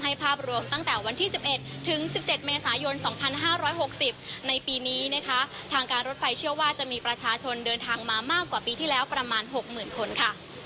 ภาพรวมตั้งแต่วันที่๑๑ถึง๑๗เมษายน๒๕๖๐ในปีนี้นะคะทางการรถไฟเชื่อว่าจะมีประชาชนเดินทางมามากกว่าปีที่แล้วประมาณ๖๐๐๐คนค่ะ